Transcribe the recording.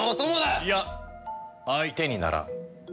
いや相手にならん。